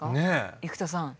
生田さん。